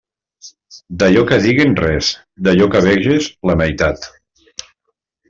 D'allò que diguen res, d'allò que veges la meitat.